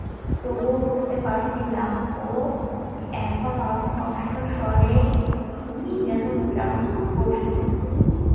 তবুও বুঝতে পারছিলাম, ও এখন অস্পষ্ট স্বরে কী যেন উচ্চারণ করছে।